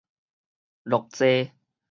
落坐